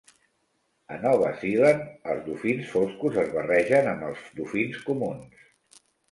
A Nova Zealand, els dofins foscos es barregen amb els dofins comuns.